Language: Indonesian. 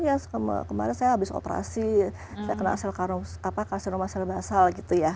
ya kemarin saya habis operasi saya kena kasinomasel basal gitu ya